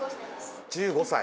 １５歳？